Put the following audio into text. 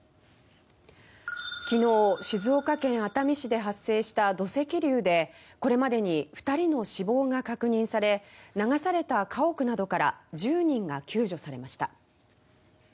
昨日、静岡県熱海市で発生した土石流でこれまでに２人の死亡が確認され流された家屋などから１０人が救助されました。